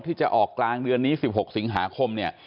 ที่จะออกกลางเดือนนี้๑๖สิงหาคมเนี่ย